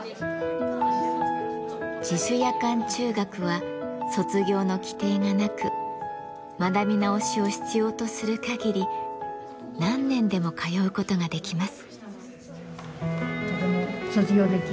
自主夜間中学は卒業の規定がなく学び直しを必要とする限り何年でも通うことができます。